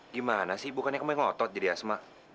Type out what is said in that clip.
gimana sih bukannya kamu yang ngotot jadi asma